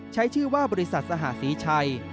ใช้ชื่อว่าบริษัทสหศรีชัย